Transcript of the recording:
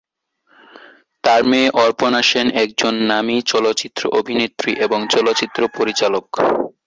তার মেয়ে অপর্ণা সেন একজন নামী চলচ্চিত্র অভিনেত্রী এবং চলচ্চিত্র পরিচালক।